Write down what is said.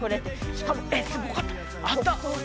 しかも、えっ、すごかった。